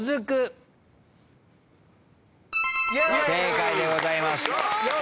正解でございます。